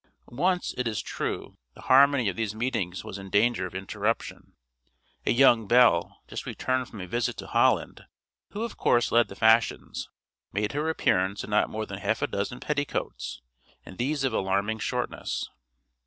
Once, it is true, the harmony of these meetings was in danger of interruption. A young belle, just returned from a visit to Holland, who of course led the fashions, made her appearance in not more than half a dozen petticoats, and these of alarming shortness.